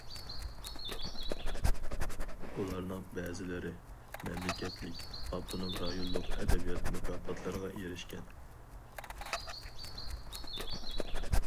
ئۇلارنىڭ بەزىلىرى مەملىكەتلىك، ئاپتونوم رايونلۇق ئەدەبىيات مۇكاپاتلىرىغا ئېرىشكەن.